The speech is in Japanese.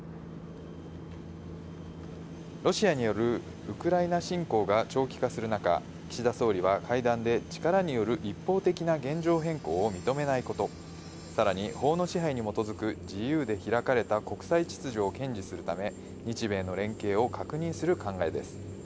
ロシアによるウクライナ侵攻が長期化する中、岸田総理は会談で、力による一方的な現状変更を認めないこと、さらに、法の支配に基づく自由で開かれた国際秩序を堅持するため、日米の連携を確認する考えです。